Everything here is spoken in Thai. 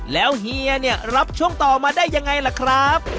แล้วเฮียเนี่ยรับช่วงต่อมาได้ยังไงล่ะครับ